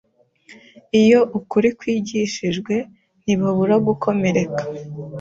iyo ukuri kwigishijwe, ntibabura gukomereka